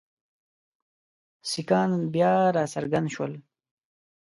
سیکهان بیا را څرګند شول.